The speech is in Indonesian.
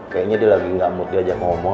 kayaknya dia lagi gak mood diajak ngomong